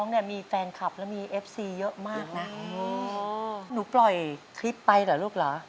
หนูปล่อยคลิปไปหรือลูกล่ะ